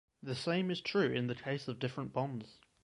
The same is true in the case of different bonds.